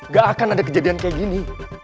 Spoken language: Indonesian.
gak akan ada kejadian kayak gini